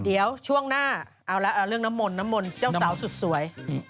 เดี๋ยวช่วงหน้าเอาละเรื่องน้ำมนต์น้ำมนต์เจ้าสาวสุดสวย